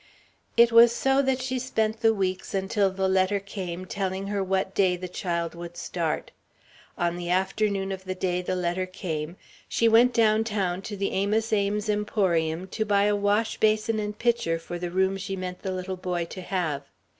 It was so that she spent the weeks until the letter came telling her what day the child would start. On the afternoon of the day the letter came, she went down town to the Amos Ames Emporium to buy a washbasin and pitcher for the room she meant the little boy to have.